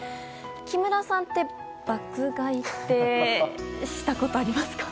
木村さんって爆買いってしたことありますか？